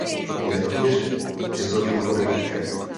Je rovněž jazzovým hudebníkem.